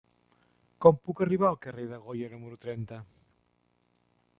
Com puc arribar al carrer de Goya número trenta?